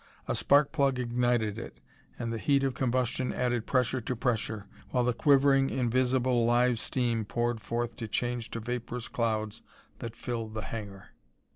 A spark plug ignited it, and the heat of combustion added pressure to pressure, while the quivering, invisible live steam poured forth to change to vaporous clouds that filled the hangar.